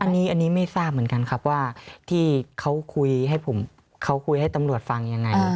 อันนี้ไม่ทราบเหมือนกันครับว่าที่เขาคุยให้ผมเขาคุยให้ตำรวจฟังยังไง